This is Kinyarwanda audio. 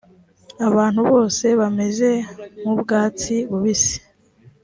abantu bose bameze nkubwatsi bubisi .